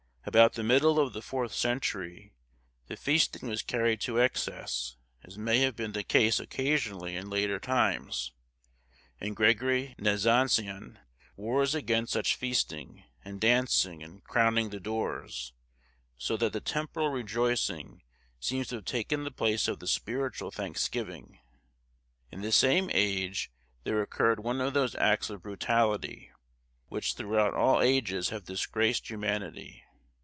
About the middle of the fourth century, the feasting was carried to excess, as may have been the case occasionally in later times; and Gregory Nazianzen wars against such feasting, and dancing, and crowning the doors, so that the temporal rejoicing seems to have taken the place of the spiritual thanksgiving. In the same age there occurred one of those acts of brutality, which throughout all ages have disgraced humanity.